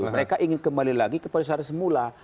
mereka ingin kembali lagi ke pariwisata semula